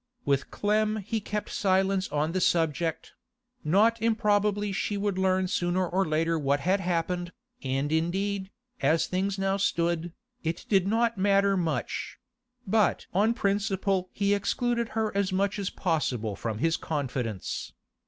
With Clem he kept silence on the subject; not improbably she would learn sooner or later what had happened, and indeed, as things now stood, it did not matter much; but on principle he excluded her as much as possible from his confidence.